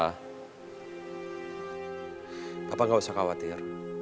papa gak usah khawatir